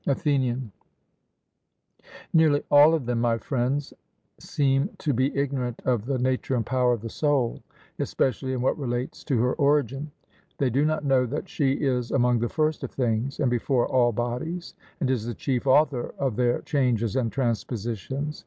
ATHENIAN: Nearly all of them, my friends, seem to be ignorant of the nature and power of the soul, especially in what relates to her origin: they do not know that she is among the first of things, and before all bodies, and is the chief author of their changes and transpositions.